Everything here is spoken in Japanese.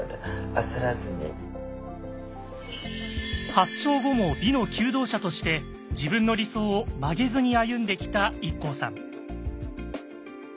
発症後も美の求道者として自分の理想を曲げずに歩んできたＩＫＫＯさん。